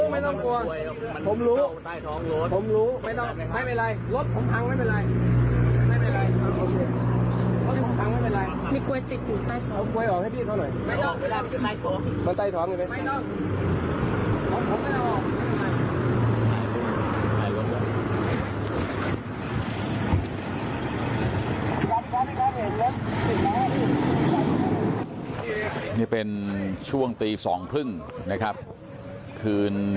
มีกล้วยติดอยู่ใต้ท้องเดี๋ยวพี่ขอบคุณ